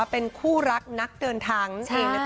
เป็นคู่รักนักเดินทางเอง